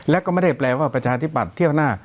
และก็ไม่ได้แปลว่าประชาธิบัติเที่ยวหน้า